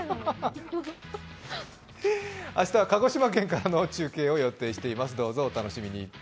明日は鹿児島県からの中継を予定しています、どうぞお楽しみに。